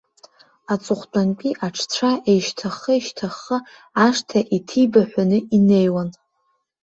Аҵыхәтәантәи аҽцәа еишьҭаххы-еишьҭаххы ашҭа иҭибаҳәаны инеиуан.